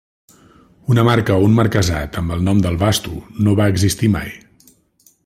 Una marca o un marquesat amb el nom del Vasto no va existir mai.